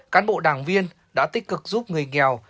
cán bộ đảng viên đã tích cực giúp người nghèo